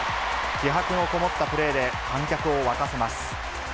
気迫のこもったプレーで、観客を沸かせます。